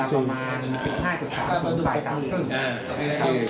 เวลาประมาณ๑๕๓๐นปลายสามครึ่ง